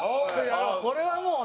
これはもうね。